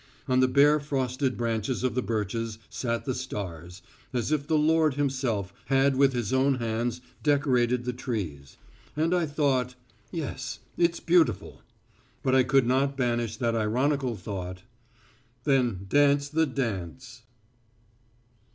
On the bare frosted branches of the birches sat the stars, as if the Lord Himself had with His own hands decorated the trees. And I thought, "Yes, it's beautiful." But I could not banish that ironical thought, "Then dance the dance."